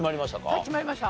はい決まりました。